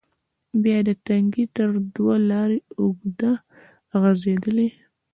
بیا د تنگي تر دوه لارې اوږده غزیدلې،